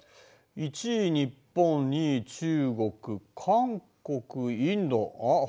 １位日本２位中国韓国インドあっ